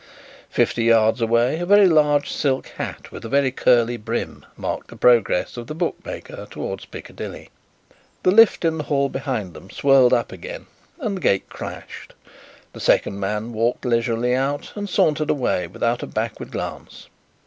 Fifty yards away, a very large silk hat with a very curly brim marked the progress of the bookmaker towards Piccadilly. The lift in the hall behind them swirled up again and the gate clashed. The second man walked leisurely out and sauntered away without a backward glance.